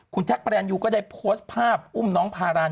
คุณแท็กพระรันยูก็ได้โพสต์ภาพอุ้มน้องพาราน